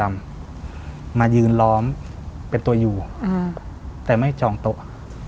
มายืนล้อมเป็นตัวอยู่แต่ไม่จองโต๊ะ